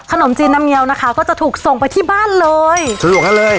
ขนมจีนน้ำเงียวนะคะก็จะถูกส่งไปที่บ้านเลยสะดวกงั้นเลย